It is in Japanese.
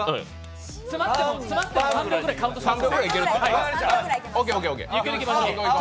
詰まっても３秒ぐらいカウントします。